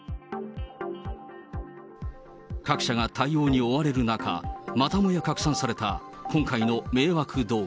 各社が対応に追われる中、またもや拡散された、今回の迷惑動画。